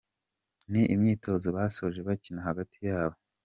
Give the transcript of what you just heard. Ni imyitozo basoje bakina hagati yabo.